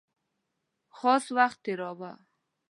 خاص وخت تېراوه.